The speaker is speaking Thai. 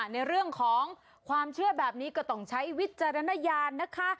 ในเรื่องของความเชื่อแบบนี้ก็ต้องใช้วิจารณญาณนะคะ